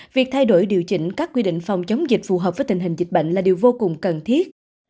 việc thay đổi điều chỉnh các quy định phòng chống dịch phù hợp với tình hình dịch bệnh là điều vô cùng cần thiết